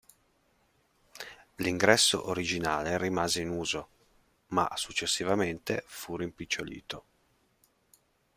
L'ingresso originale rimase in uso, ma successivamente fu rimpicciolito.